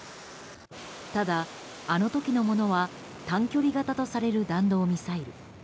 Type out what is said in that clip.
ただ、あの時のものは短距離型とされる弾道ミサイル。